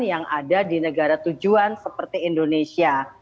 yang ada di negara tujuan seperti indonesia